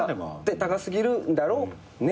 高過ぎるんだろうね。